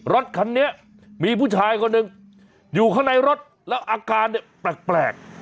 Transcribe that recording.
รถคันนี้มีผู้ชายคนหนึ่งอยู่ข้างในรถแล้วอาการเนี่ยแปลก